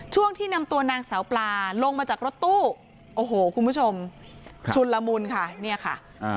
ช่วงที่นำตัวนางสาวปลาลงมาจากรถตู้โอ้โหคุณผู้ชมชุนละมุนค่ะเนี่ยค่ะ